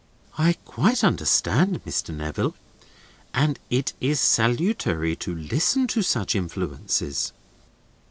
"I quite understand, Mr. Neville. And it is salutary to listen to such influences."